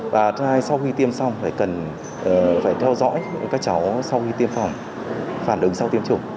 và thứ hai sau khi tiêm xong phải cần phải theo dõi các cháu sau khi tiêm phòng phản ứng sau tiêm chủng